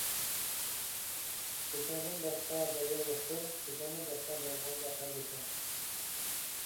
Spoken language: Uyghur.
چېچىڭدىن باشقا دەريا يوقتۇر چېچىڭدىن باشقا، دولقۇنىدا ئاقاي دېسەم.